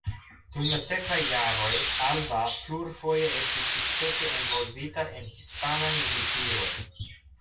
Dum la sekvaj jaroj Alva plurfoje estis sukcese envolvita en hispanaj militiroj.